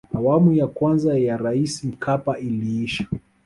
awamu ya kwanza ya raisi mkapa iliisha